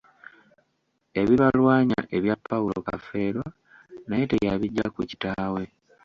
Ebibalwanya ebya Paulo Kafeero naye teyabiggya ku kitaawe.